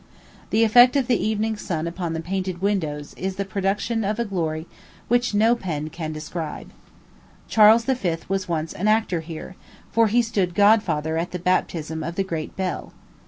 The effect of the evening sun upon the painted windows is the production of a glory which no pen can describe. Charles V. was once an actor here, for he stood godfather at the baptism of the great bell.